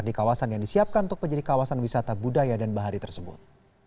di kawasan yang disiapkan untuk menjadi kawasan wisata budaya dan bahari tersebut